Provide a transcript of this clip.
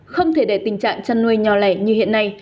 không thể để tình trạng chăn nuôi nhỏ lẻ như hiện nay